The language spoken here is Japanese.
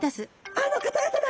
あの方々だ！